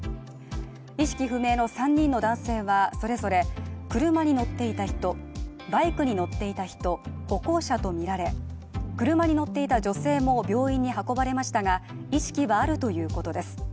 意識不明の３人の男性はそれぞれ車に乗っていた人、バイクに乗っていた人歩行者とみられ車に乗っていた女性も病院に運ばれましたが意識はあるということです。